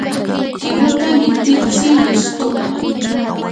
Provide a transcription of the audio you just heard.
triguta nititsi llustupa.